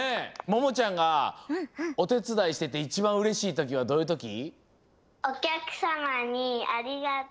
ももちゃんがおてつだいしてていちばんうれしいときはどういうとき？